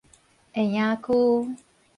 下營區